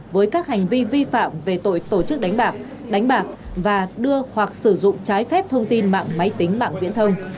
với các hành vi vi phạm về tội tổ chức đánh bạc đánh bạc và đưa hoặc sử dụng trái phép thông tin mạng máy tính mạng viễn thông